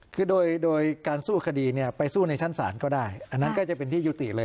คือโดยการสู้คดีเนี่ยไปสู้ในชั้นศาลก็ได้อันนั้นก็จะเป็นที่ยุติเลย